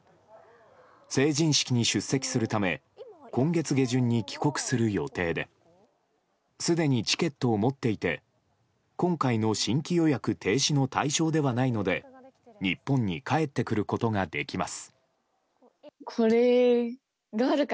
成人式に出席するため今月下旬に帰国する予定ですでにチケットを持っていて今回の新規予約停止の対象ではないので日本に帰ってくることができます。